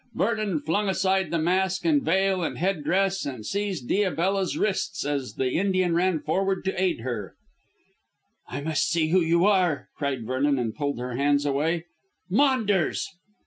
Vernon flung aside the mask and veil and head dress and seized Diabella's wrists as the Indian ran forward to aid her. "I must see who you are," cried Vernon and pulled her hands away. "Maunders!"